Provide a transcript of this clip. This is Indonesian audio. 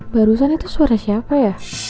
barusan itu suara siapa ya